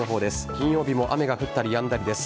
金曜日も雨が降ったりやんだりです。